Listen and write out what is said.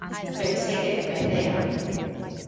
Pensei que te perdera.